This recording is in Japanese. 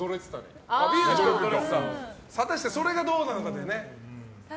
果たしてそれがどうなのかというね。